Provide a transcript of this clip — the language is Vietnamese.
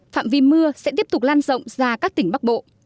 phạm vi mưa sẽ tiếp tục lan rộng ra các tỉnh bắc bộ